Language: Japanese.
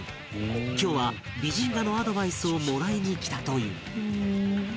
今日は美人画のアドバイスをもらいに来たという